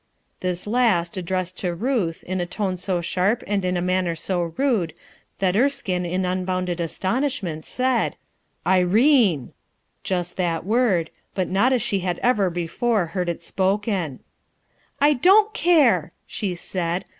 This last, addressed to Ruth, in a tone g sharp and a manner so rude that Erskine hi unbounded astonishment said :— "Irene!" Just that word, but not as she had ever before heard it spoken. "I don't care!" she said.